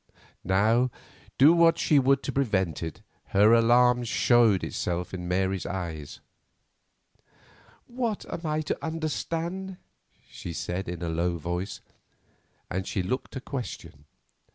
Now, do what she would to prevent it, her alarm showed itself in Mary's eyes. "What am I to understand?" she said in a low voice—and she looked a question.